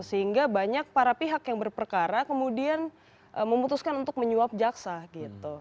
sehingga banyak para pihak yang berperkara kemudian memutuskan untuk menyuap jaksa gitu